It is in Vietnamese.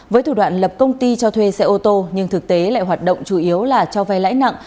với thủ đoạn lập công ty cho thuê xe ô tô nhưng thực tế lại hoạt động chủ yếu là cho vay lãi nặng